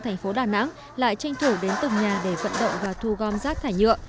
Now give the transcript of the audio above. thành phố đà nẵng lại tranh thủ đến từng nhà để vận động và thu gom rác thải nhựa